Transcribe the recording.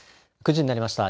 ９時になりました。